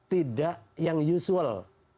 tidak yang usual